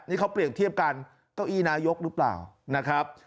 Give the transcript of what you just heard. นี่เขาเปรียบเทียบกันเก้าอี้นายกหรือเปล่านะครับ